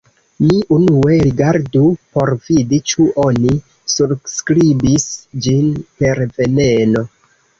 Mi unue rigardu por vidi ĉu oni surskribis ĝin per veneno.